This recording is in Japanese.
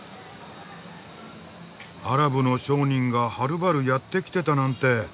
アラブの商人がはるばるやって来てたなんて。